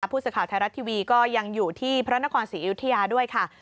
ผู้สื่อข่าวไทยรัฐทีวีก็ยังอยู่ที่พระนครศรีอยุธยาด้วยค่ะ